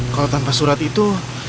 kalau tanpa surat itu